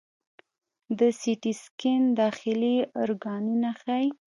د سی ټي سکین داخلي ارګانونه ښيي.